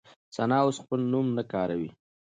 ثنا اوس خپل نوم نه کاروي.